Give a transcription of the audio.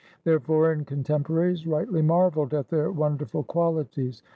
Their foreign contemporaries rightly marveled at their won derful qualities.